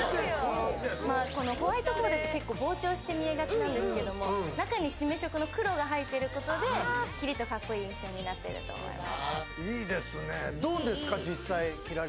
ホワイトコーデって膨張しがちなんですけど中に締め色の黒が入ってることでキリッとかっこいい印象になってると思います。